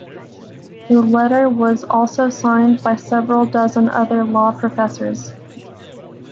The letter was also signed by several dozen other law professors.